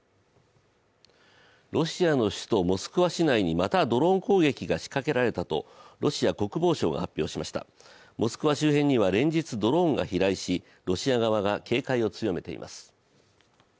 ロシアの首都モスクワ市内にまたドローン攻撃が仕掛けられたとロシア国防省が発表しました、モスクワ周辺には連日ドローンが飛来し、ロシア側が警戒を強めています。